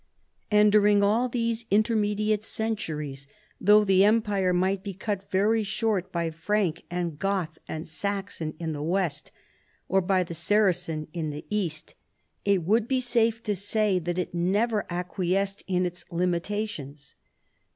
And during all these intermediate centuries, though the empire might be cut very short, by Frank and Goth and Saxon in the west, or by the Saracen in the east, it would be safe to say that it never acquiesced in its limitations.